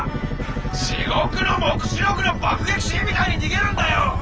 「地獄の黙示録」の爆撃シーンみたいに逃げるんだよ！